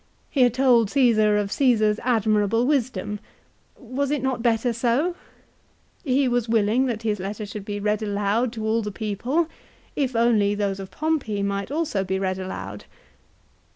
He had told Caesar of Caesar's admirable wisdom. Was it not better so ? He was willing that his letter should be read aloud to all the people, if only those of Pompey might also be read aloud.